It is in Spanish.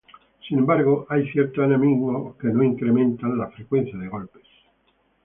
Sin embargo, hay ciertos enemigos que no incrementan la "Frecuencia de Golpes".